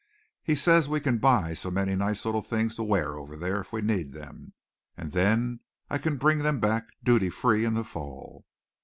He says we can buy so many nice little things to wear over there if we need them, and then I can bring them back duty free in the fall."